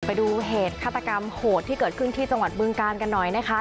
ไปดูเหตุฆาตกรรมโหดที่เกิดขึ้นที่จังหวัดบึงกาลกันหน่อยนะคะ